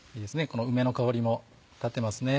この梅の香りも立ってますね。